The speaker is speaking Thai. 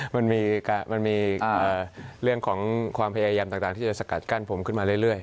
มันมีเรื่องของความพยายามต่างที่จะสกัดกั้นผมขึ้นมาเรื่อย